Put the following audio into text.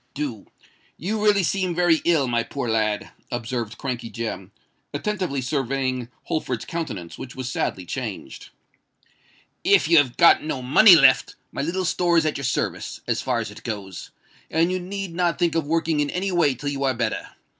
"Do. You really seem very ill, my poor lad," observed Crankey Jem, attentively surveying Holford's countenance, which was sadly changed. "If you have got no money left, my little store is at your service, as far as it goes; and you need not think of working in any way till you are better.